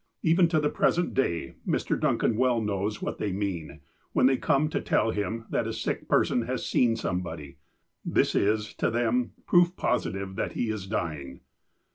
Even to the present day Mr. Duncan well knows what they mean, when they come to tell him that a sick per son has " seen somebody." This is, to them, proof posi tive that he is dying.